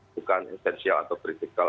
bukan esensial atau kritikal